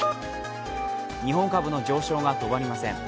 日本株の上昇が止まりません。